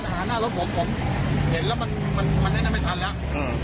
รอยมาหาหน้ารถผมผมเห็นแล้วผมมันขนาดนี้ไม่ทันแล้ว